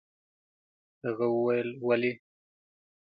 هغه وويل: ولې؟